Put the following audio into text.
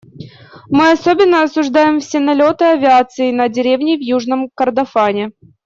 Мы особенно осуждаем все налеты авиации на деревни в Южном Кордофане.